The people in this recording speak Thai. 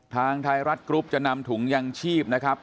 ทางไทยรัฐกรุ๊ปจะนำถุงยังชีพนะครับ